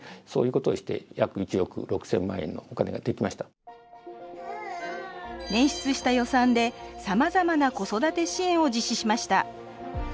その中で捻出した予算でさまざまな子育て支援を実施しました